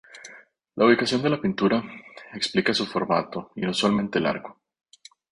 La ubicación de la pintura explica su formato, inusualmente largo.